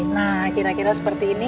nah kira kira seperti ini